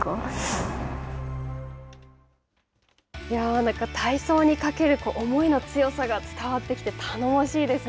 なんか体操にかける思いの強さが伝わってきて頼もしいですね。